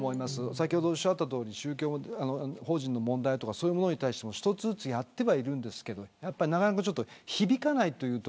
先ほどおっしゃったとおり宗教法人の問題やそういうものに対して１つずつやっていますがなかなか響かない。